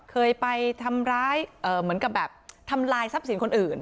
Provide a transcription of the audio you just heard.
เคยไปทำร้ายเหมือนกับแบบทำลายทรัพย์สินคนอื่น